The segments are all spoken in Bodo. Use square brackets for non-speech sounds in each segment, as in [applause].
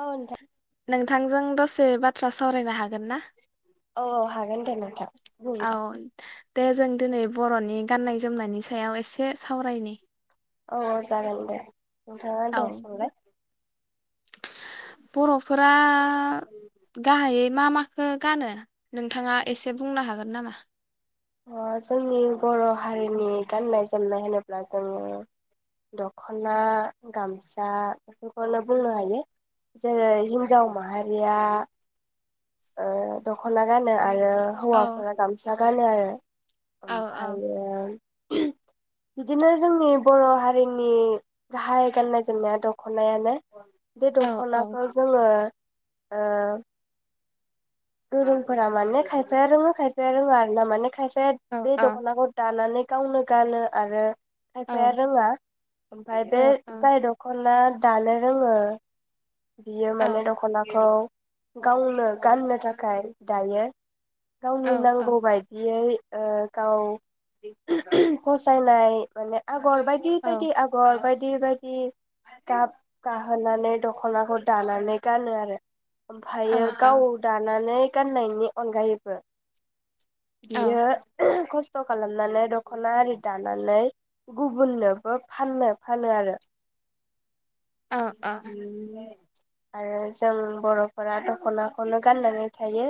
औ नोंथा नोंथांजों दसे बाथ्रा सावरायनो हागोन ना? औ औ हागोन दे नोंथां। औ नोंथां दे जों दोनै बर'नि गाननाय जोमनायनि सायाव एसे सावरायनि। औ जागोन दे। नोंथाङा औ दे सोंलाय। बर'फोरा आ गाहायै मा माखो गानो? नोंथाङा एसे बुंनो हागोन नामा? अ जोंनि बर' हारिनि गाननाय जोमनाय होनोब्ला जों दखना गामसा बेखौनो बुंनो हायो जेरै हिनजाव माहारिया ओ दखना गानो आ रो औ हौवाफोरा गामसा गानो आरो औ औ ओमफायो बिदिनो जोंनि बर हारिनि गाहाय गाननाय जोमनाया दखनायानो। बे औ औ दखनाखौ जोङो ओ गोरोंफोरा माने खायफाया रोङो खायफाया रोङा आरोना माने खाय फाया औ बे औ दखनाखौ दानानै गावनो गानो आरो औ खायफाया रोङा ओमफाय औ बे औ जाय दखना दानो रोङो बियो औ माने दखनाखौ गावनो गाननो था खाय दायो। गावनि औ औ नांगौ बायदियै ओ गाव फसायनाय माने आग गर बायदि औ बायदि आगर बाय दि बायदि गाब गाहोनानै दखनाखौ दानानै गानो आरो औ औ ओमफायो औ गाव दा नानै गाननायनि अनगायैबो बियो खस थ खालामनानै दखना आरि दानानै गुबुननोबो फाननो फानो आरो [inaudible] आरो जों बर फोरा दखनाखौनो गान्नानै थायो।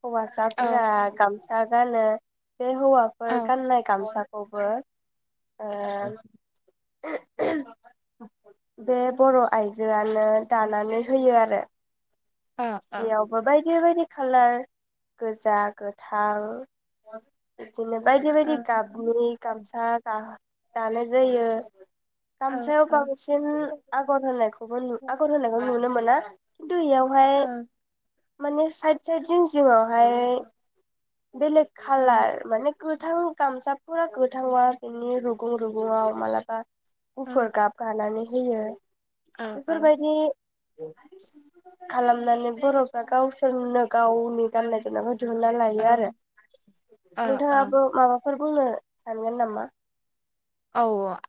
हौवासाफोर गाम सा गानो बे हौवाफोर गानाय गामसा खौबो ओ बे बर' आइजोआनो दानानै होयो आरो अ अ बेयावबो बायदि बायदि खालार गोजा, गोथां इदिनो बायदि बायदि गाबनि गामसा गा दानाय जायो गामसायाव बांसिन आगर होनायखौबो आगर होनायखौ नुनो मोन ना दैयावहाय माने साइद साइद जिं जिङावहाय बेलेग खालार माने गोथां गामसाफोरा गोथाङा बिनि रुगुं रुगुङाव मालाबा गुफुर गाब गानानै होयो। औ औ बेफोरबायदि औ खालामनानै बर' गावसोरनो गावनि गान्नाय जोमनायखौ दिहुन्नानै औ लायो आरो ओ नोंथाङाबो माबा फोर बुंनो सानगोन नामा? औ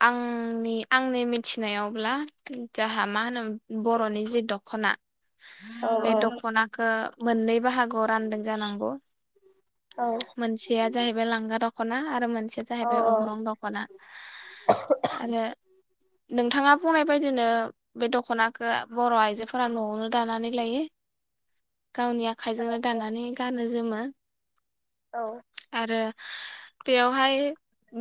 आंनि आंनि मिथिनायावब्ला जोहा मा होनो बर'नि जि दखना औ बे दखनाखो मोन्नै बाहागोआव रानदों जानांगौ मोनसेया जाहैबाय लांगा दख खना आरो मोन मोनसेया औ जाहैबाय अग्रं दखना। आरो नोंथाङा बुंनाय बायदि नो बे दखनाखो बर' आइजोफोरा नआवनो दानानै लायो। गावनि आखाइजोंनो दाननानै गानो जोमो। औ आरो बेयावहाय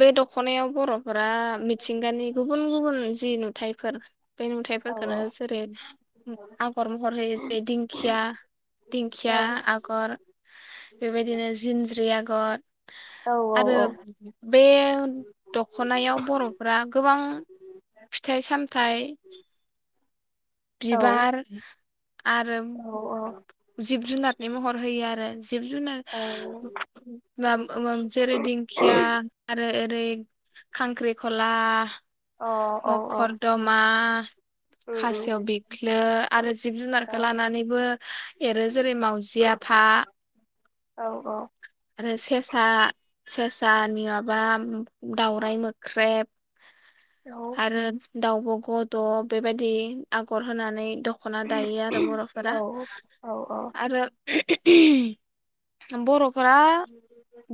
बे दखनायाव बर'फ फोरा मिथिंगानि गुबुन गुबुन जि नुथाइफोर बे औ नुथाइफोरखोनो जेरै उम आगर महर होयो। जेरै दिंखिया, औ दिंखिया आगर बेबायदिनो जिनज्रि आग ग [unintelligible] आरो औ बे खनायाव बर'फोरा गोबां फिथाइ सामथाइ औ औ बिबार आरो औ जिब जुनारनि महर होयो आरो। जिब जुनार माम-ओमाम जेरै दिंखिया आरो दैग खांख्रिखला मखर दमा। खासेउ बिख्लो आरो जिब जुनारखो लानानैबो एरो जेरै मावाउजि आफा औ औ औ। आरो सेसा सेसा नियब बाम दाावरायाइ मोख्रेब आरो दाउब गद' बेबायदि आगर होनानै द खना दायो आरो बर'फोरा आरो बर' फोरा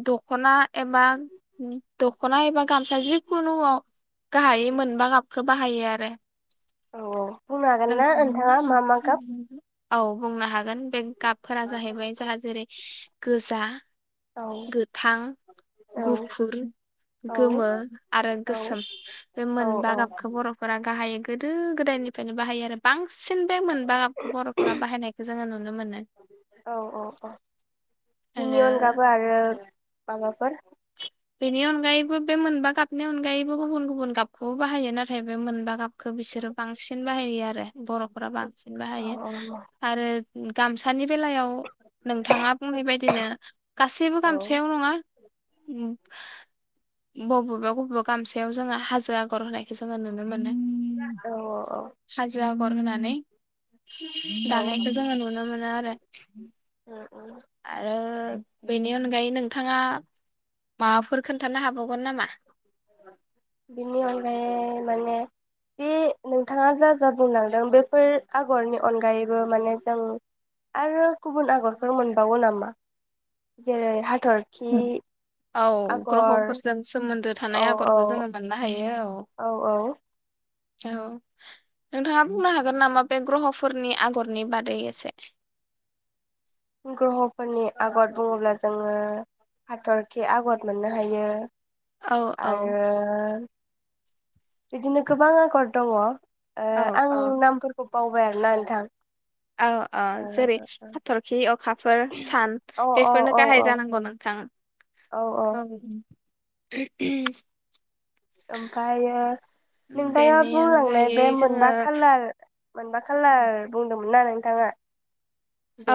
द'खना एबा दखना एबा गामसा जिखुनु गाहायै मोन बा गाबखौ बाहायो आरो औ औ बुंनो हागोन नों ना नोंथाङा मा मा गाब औ। बुंनो हागोन बे गाबफोरा जाहैबाय जोहा जेरै गोजा औ गोथां औ गुफुर औ गोमो आरो गोसोम बे औ मोन बा औ गाबखौ बर'फोरा गाहायै गोदो गोदायनिफायनो बाहायो आरो बां सिन बे मोनबा गाबखौ बरफोरा बाहायनायखौ जोङो नुनो मोनो औ बिनि आरो अनगाबो आरो माबाफोर बेनि अनगायैबो बे मोनबा गाब बेनि अनगायैबो गुबुन गुबुन गाबखौबो बाहायो नाथाय बे मोनबा गाब खौ बिसोरो बांसिन बाहायो आरो बर'फोरा बां सिन औ बाहायो औ आरो गामसानि बेलायाव नोंथाङा बुंनाय बायदिनो गासैबो गामसायाव नङा बबेबा बबेबा गामसायाव जोङो हाजो आगर होनायखौ जोङो नुनो नुनो मोनो औ औ हाजो आगर [unintelligible] औ दानायखौ जोङो नुनो मोनो आरो औ आरो बेनि अनगायै नोंथाङा माबाफोर खोन्थानो हाबावगोन नामा? बिनि अनगायै माने बे नोंथाङा जा जा बुंलांदों बेफोर आगरनि अनगायैबो माने जों आरो गुबुन आगरफोर मोनबावो नामा? जेरै हा टरकि ग्रह फोरजों सो थानाय आगरखौ जोङो मोननो हायो, औ औ औ। औ नोंथाङा बुंनो हागोन नामा बे ग्रहफोरनि आगरनि बादै एसे? ग्रहफोरनि आगर बुङोब्ला जोङो हाथरखि आगर मोननो हायो । औ औ आरो बिदिनो गोबां आगर दङ औ । आं औ नामफोरखौ बावबाय आरोना नोंथां । औ औ जेरै हाथरखि अखाफोर सान ओ औ बेफोरनो औ गाहाय औ जानांगौ नोंथां। औ [inaudible] ओमफ्रायो नोंथाङा बेनि बुंलांनाय अनगायै बे जोङो मोनबा कालार मोनबा कालार बुंदोंमोन । मोना नोंथाङा?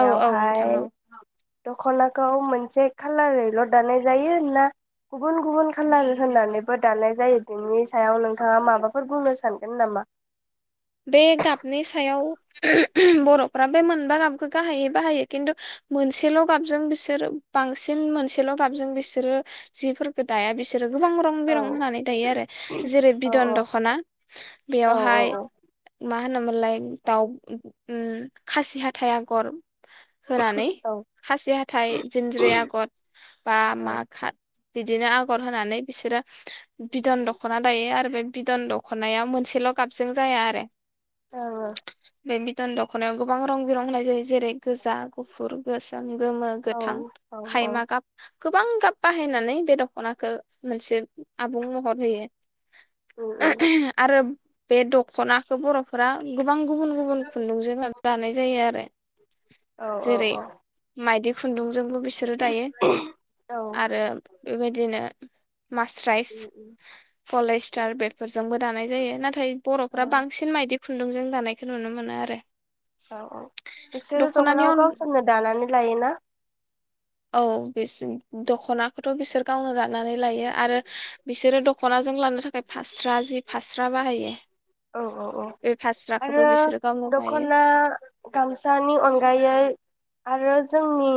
औ औ नोंथां औ । दखनाखौ मोनसे कालारैल‌ दानाय जायो? ना गुबुन गुबुन कालार होननानैबो दानाय जायो, बेनि सायाव नोंथाङा माबाफोर बुंनो सानगोन नामा? बे गाबनि सायाव बरफ्रा बे मोनबा गाबखौ गाहायै बाहायो खिन्थु मोनसेल गाबजों बिसोर बांसिन मोनसेल गाबजों बिसोरो जिफोरखो दाया बिसोर । सोरो गोबां रं औ बिरं होनानै दायो आरो जेरै औ बिदन दखना औ बेयावहाय औ मा होनोमोनलाय दाउ उम खासि हाथाइ आगर होनानै औ खासि हाथाय जिनज्रि आगर बा औ मा खा बिदिनो आगर होनानै बिसोरो बिदन दखना दायो आरो बे बिदन दखनाया मोनसेल गाबजों जाया आरो । औ औ । बे बिदन दखनायाव गोबां रं बिरं होनाय जायो जे जेरै गोजा गुफुर गोसोम गोमो गोथां औ खायमा गाब गोबां गाब बाहायनानै बे दखनाखो मोनसे आबुं महर होयो । आरो बे दखन बर'फोरा गोबां गुबुन गुबुन खुन्दुंजों लानाय जायो आरो जेरै मायदि खुन्दुंजोंबो बिसोरो दायो औ आरो बेबायदिनो [inaudible] मास्राइस पलेस्टार बेफोरजोंबो दानाय जायो नाथाय बर'फ्रा औ बां मायदि खुन्दुंजों दानायखौ नुनो मोनो आरो। औ औ बिसोरो दख'नानि दखनाखौ अन गावसोरनो दानानै लायोना? औ बेसोर दखनाखौथ' बिसोर गावनो दानानै लायो आरो बिसोरो दखनाजों लानो थाखाय फास्रा जि फास्रा बाहायो। औ औ औ बे फास्राखौबो आरो बिसोरो गावनो बायो दखना गामसानि अनगायै आरो जोंनि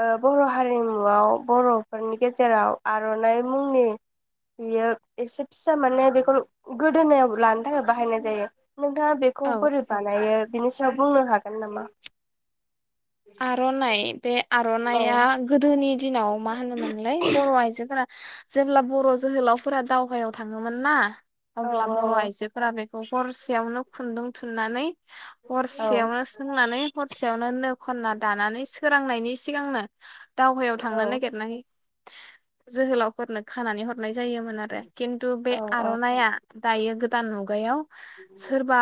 ओ बर' हारिमुआव बरफोरनि गेजेराव आर'नाइ मुंनि बियो एसे फिसा माने बेखौ गोदोनायाव लानो थाखाय बाहायनाय जायो। नोंथाङा बेखौ औ बोरै औ बानायो बेनि सायाव बुंनो हागोन? गोन नामा? आर'नाइ बे औ आर'नाइया गोदोनि दिनाव मा होनोमोनलाय बर' आइजोफोरा जेब्ला बर' जोहोलावफोरा दावहायाव थाङोमोन ना औ अब्ला बर' आइजोफोरा बेखौ हरसेयावनो खुन्दुं थुन थुननानै औ हरसेयावनो सोंनानै हर सेयावनो नो खनना दानानै सोरांनायनि सिगांनो दावहायाव औ थांनो नागिरनाय जोहोलावफोरनो खानानै हरनाय जायोमोन आरो। खिन्थु बे औ आर'नाइया दायो गोदान मुगायाव सोरबा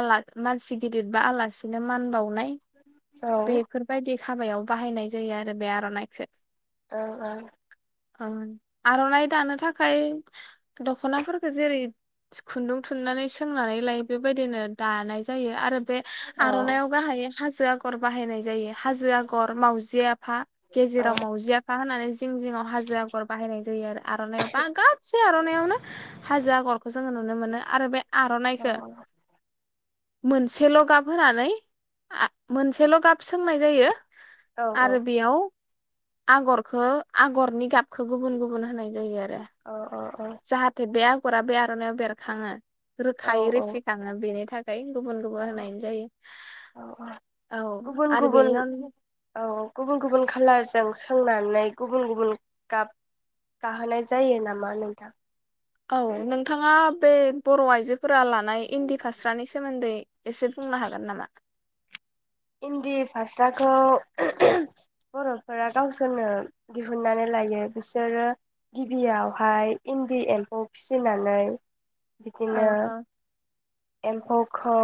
आला मानसि गिदिर बा आलासिनो मान बाव नाय औ बेफोरबायदि हाबायाव बाहायनाय जायो आरो बे आर'नाइखो। औ औ आर'नाइ दानो थाखाय दखनाफोरखौ जेरै खुन्दुं थुननानै सोंनानै लायो बेबायदिनो दानाय जायो। आरो बे औ आर'नाइ आव गाहायै हाजो आगर बाहायनाय जायो। हाजो आगर, मावजि आफा, गेजेराव मावजि आफा होननानै जिं जिङाव हाजो आगर बाहायनाय जायो आरो। आर'नाइ बा गासै आर'नाइ आवनो हाजो आगरखौ जोङो नुनो मोनो। आरो बे आर'नाइखौ मोनसेल गाब होनानै मोनसेल गाब सोंनाय जायो। औ आरो बेयाव आगरखौ आगरनि गाब खौ गुबुन गुबुन होनाय जायो आरो। जाहाथे बे आगरा बे आरनायाव बेरखाङो । औ रोखायै औ रेफिखाङो बेनि थाखाय गुबुन गुबुन होनाय जायो। औ गुबुन आरो गुबुन बेनि अनगा औ गुबुन गुबुन कालारजों सोंनानै गुबुन गुबुन गाब गाहोनाय जायो नामा नोंथां? औ नोंथाङा बे बर' आइजो फोरा लानाय इन्दि फास्रानि सोमोन्दै एसे बुंनो हागोन नामा? इन्दि फास्राखौ बर'फोरा गावसोरनो दिहुननानै लायो। बिसोरो गिबियावहाय इन्दि एम्फौ फिसिनानै औ बिदिनो औ एम्फौखौ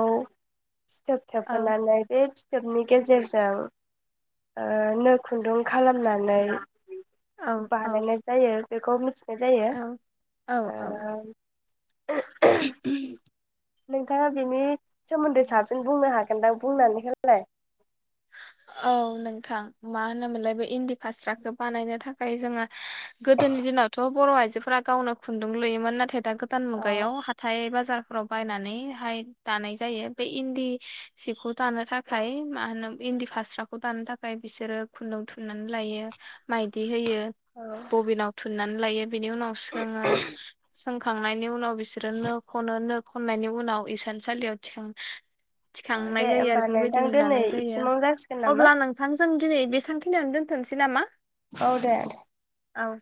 फिथोब औ थोबहोनानै बे फिथोबनि गेजेरजों ओह नो खुन्दुं खालामनानै औ बानायनाय जायो। बेखौ मिथि औ औ औ नोंथाङा बिनि सोमोन्दै साबसिन बुंनो हागोनदां बुंनानै होलाय औ नोंथां मा होनोमोनलाय बे इन्दि फास्राखो बानायनो थाखाय जोङो गोदोनि दिनावथ बर' आइजो फोरा गावनो खुन्दुं लुयोमोन नाथाय दा गोदान अ मुगायाव हाथाय बाज बाजारफोराव बायनानैहाय दानाय जायो बे इन्दि सिखौ दानो थाखाय मा होनो इन्दि फास्राखौ दानो थाखाय बिसोरो खुन्दुं थुननानै लायो। माइदि होयो औ बबिनाव थुननानै लायो। बिनि उनाव सोङो। सोंखांनायनि उनाव बिसोरो नो खनो नो खननायनि उनाव इसानसालियाव थिखाङो अ थिखांनाय दे जायो होमबा आरो नोंथां बेबायदिनो दिनै दानाय जायो इसिमाव जासिगोन नामा अब्ला नोंथां जों दिनै बेसांखिनियावनो दोनथनसै नामा औ दे औ